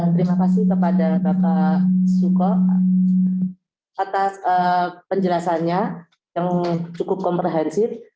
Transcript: terima kasih kepada bapak suko atas penjelasannya yang cukup komprehensif